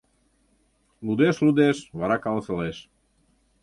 Лудеш-лудеш, вара каласылеш.